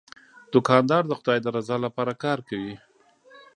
دوکاندار د خدای د رضا لپاره کار کوي.